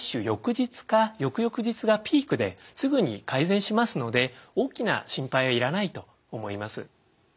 翌日か翌々日がピークですぐに改善しますので大きな心配はいらないと思います。